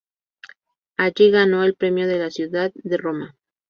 Allí ganó el "Premio de la Ciudad de Roma".